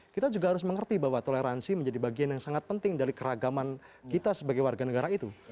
kita juga harus mengerti bahwa toleransi menjadi bagian yang sangat penting dari keragaman kita sebagai warga negara itu